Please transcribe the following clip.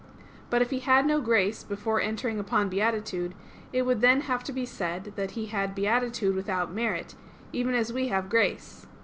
But if he had no grace before entering upon beatitude, it would then have to be said that he had beatitude without merit, even as we have grace.